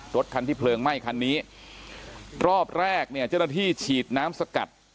รถคันที่เพลิงไหม้คันนี้รอบแรกเนี่ยเจ้าหน้าที่ฉีดน้ำสกัด